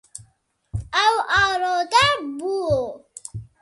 Ew arode bû.